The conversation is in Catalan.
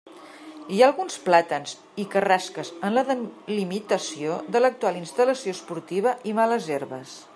Hi ha alguns plàtans i carrasques en la delimitació de l'actual instal·lació esportiva, i males herbes.